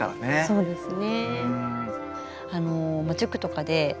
そうですね。